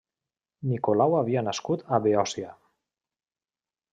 Nicolau havia nascut a Beòcia.